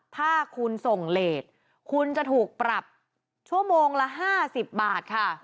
ถ้าคุณส่งเลสคุณจะถูกปรับชั่วโมงละ๕๐บาทค่ะ